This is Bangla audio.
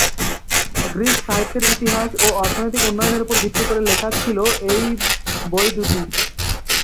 গ্রীস সাহিত্যের ইতিহাস ও অর্থনৈতিক উন্নয়নের ওপর ভিত্তি করে লেখা ছিল এই বই দুটি।